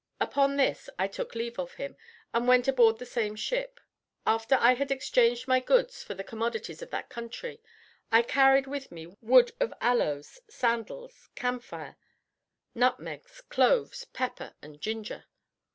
Upon this I took leave of him, and went aboard the same ship, after I had exchanged my goods for the commodities of that country. I carried with me wood of aloes, sandals, camphire, nutmegs, cloves, pepper, and ginger.